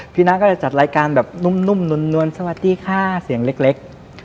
น้าก็จะจัดรายการแบบนุ่มนวลสวัสดีค่ะเสียงเล็ก